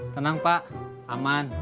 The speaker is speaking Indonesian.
tenang pak aman